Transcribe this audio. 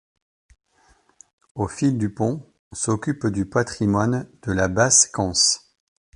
Au Fil du Pont s'occupe du patrimoine de la basse Cance.